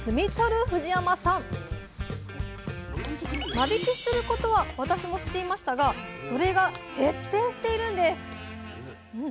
間引きをすることは私も知っていましたがそれが徹底しているんです！